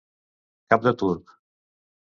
Cap de turc.